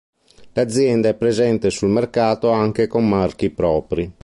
L'azienda è presente sul mercato anche con marchi propri.